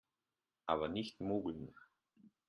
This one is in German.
Aber nicht mogeln